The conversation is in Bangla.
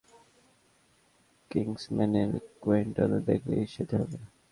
যে কোনো প্রসিদ্ধ সংগঠনই কিংসম্যানের ক্লায়েন্টদের দেখলে ঈর্ষান্বিত হবে!